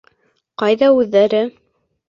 — Ҡайҙа үҙҙәре?